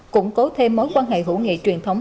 cũng cố thêm mối quan hệ hữu nghệ truyền thống